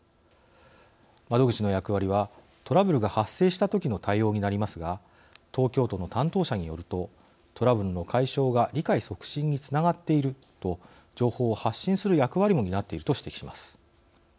窓口の役割はトラブルが発生したときの対応になりますが東京都の担当者によるとトラブルの解消が理解促進につながっていると情報を発信する役割も担っていると指摘します。